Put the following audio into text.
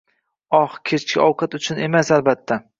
Oh, kechki ovqat uchun emas, albatta